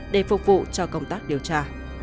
để phục vụ cho công tác điều tra